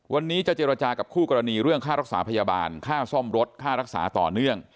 วันนี้จะเจรจากับคู่กรณีเรื่องค่ารักษาพยาบาลค่าซ่อมรถค่ารักษาต่อเนื่อง